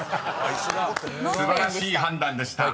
［素晴らしい判断でした］